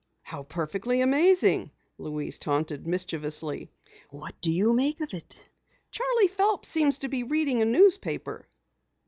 "How perfectly amazing!" Louise taunted mischievously. "What do you make of it?" "Charley Phelps seems to be reading a newspaper."